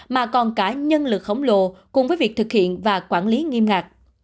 mà còn cả nhân lực khổng lồ cùng với việc thực hiện và quản lý nghiêm ngạc